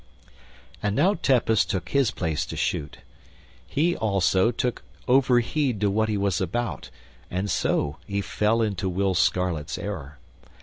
And now Tepus took his place to shoot. He, also, took overheed to what he was about, and so he fell into Will Scarlet's error.